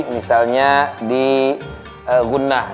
misalnya di gunnah